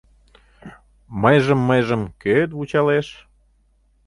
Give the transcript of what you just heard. Мыйжым-мыйжым кӧэт вучалеш?